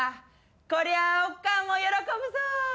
こりゃおっ母も喜ぶぞ。